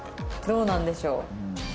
どうなんでしょう。